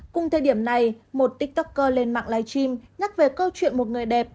cùng thời điểm này một tiktoker lên mạng live stream nhắc về câu chuyện một người đẹp